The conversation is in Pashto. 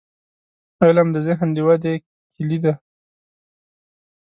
• علم، د ذهن د ودې کلي ده.